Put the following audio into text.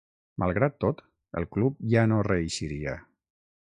Malgrat tot, el club ja no reeixiria.